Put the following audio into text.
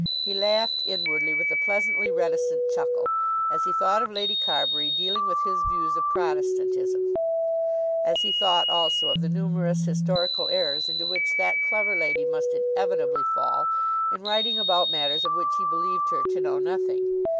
He laughed inwardly, with a pleasantly reticent chuckle, as he thought of Lady Carbury dealing with his views of Protestantism, as he thought also of the numerous historical errors into which that clever lady must inevitably fall in writing about matters of which he believed her to know nothing.